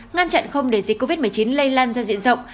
ngăn chặn không để dịch covid một mươi chín lây lan ra diện rộng